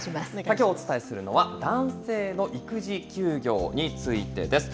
きょうお伝えするのは、男性の育児休業についてです。